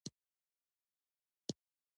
افغانستان د هلمند سیند له پلوه یو متنوع هیواد دی.